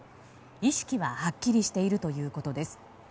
意識ははっきりしているということです。